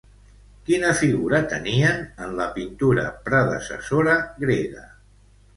Quina figura tenien en la pintura predecessora grega?